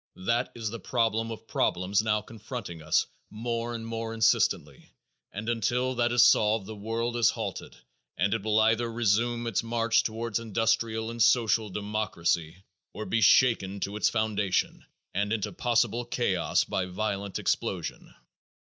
That is the problem of problems now confronting us more and more insistently and until that is solved the world is halted and it will either resume its march toward industrial and social democracy or be shaken to its foundations and into possible chaos by violent explosion.